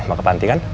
mau ke panti kan